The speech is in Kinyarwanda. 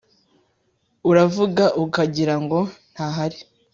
Uravuga ukagira ngo ntahari